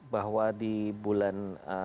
bahwa di bulan